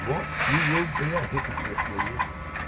What, you WILL be a hypocrite, will you?